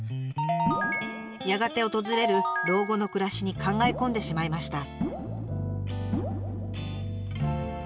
やがて訪れる老後の暮らしに考え込んでしまいました。